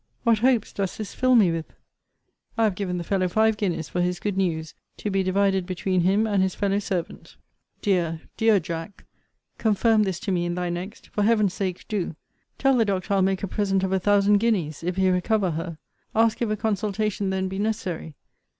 What hopes does this fill me with! I have given the fellow five guineas for his good news, to be divided between him and his fellow servant. Dear, dear Jack! confirm this to me in thy next for Heaven's sake, do! Tell the doctor I'll make a present of a thousand guineas if he recover her. Ask if a consultation then be necessary.